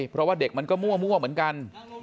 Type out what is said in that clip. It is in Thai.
เพราะดักมันก็มั้ยมั่งเหมือเหมือนกัน